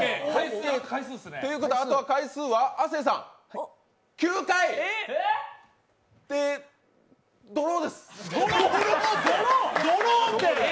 ということはあとは回数は亜生さん９回でドローです。